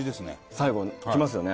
最後にきますよね